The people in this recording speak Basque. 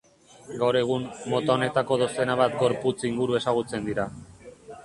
Gaur egun, mota honetako dozena bat gorputz inguru ezagutzen dira.